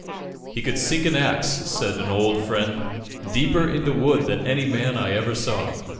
"He could sink an axe," said an old friend, "deeper into wood than any man I ever saw."